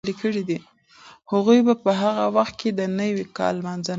هغوی به په هغه وخت کې د نوي کال لمانځنه کوي.